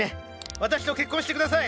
私と結婚して下さい。